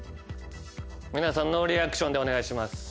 皆さんノーリアクションでお願いします。